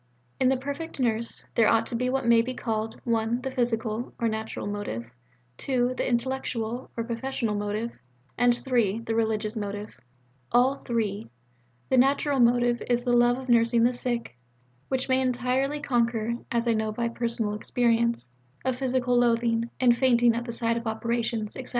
In the perfect nurse, there ought to be what may be called (1) the physical (or natural) motive, (2) the intellectual (or professional) motive, and (3) the religious motive all three. The natural motive is the love of nursing the sick, which may entirely conquer (as I know by personal experience) a physical loathing and fainting at the sight of operations, etc.